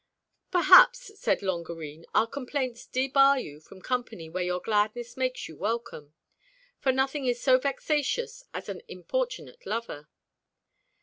"Perhaps," said Longarine, "our complaints debar you from company where your gladness makes you welcome; for nothing is so vexatious as an importunate lover."